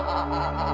tetap tahan mariah